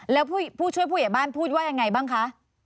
แล้วผู้ช่วยผู้ใหญ่บ้านพูดว่ายังไงบ้างคะ